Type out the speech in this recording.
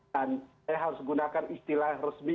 dan saya harus menggunakan istilah resmi